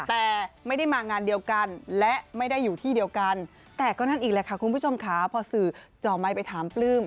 แต่ไม่ได้มางานเดียวกันและไม่ได้อยู่ที่เดียวกันแต่ก็นั่นอีกแหละค่ะคุณผู้ชมค่ะพอสื่อจ่อไมค์ไปถามปลื้ม